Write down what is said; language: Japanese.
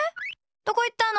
どこ行ったの？